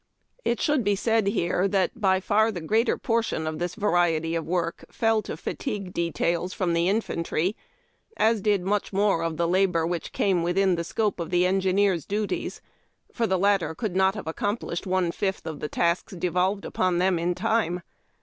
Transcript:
It sliould be said here that by far the greater portion of this variety of work fell to fatigue details from the infantry, as did much more of the labor which came within the scope of the engineers' duties; for the latter could not liave accomplished one fifth of the tasks devolved upon them in time.